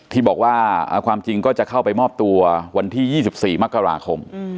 ที่บอกว่าความจริงก็จะเข้าไปมอบตัววันที่๒๔มกราคม